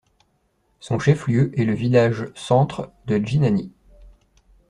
Son chef-lieu est le village centre de Djinany.